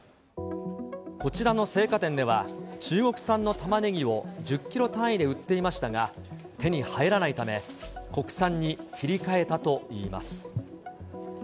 こちらの青果店では中国産のタマネギを１０キロ単位で売っていましたが、手に入らないため、国産に切り替えたといいます。